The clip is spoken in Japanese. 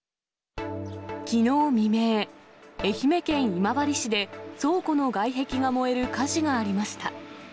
きのう未明、愛媛県今治市で、倉庫の外壁が燃える火事がありました。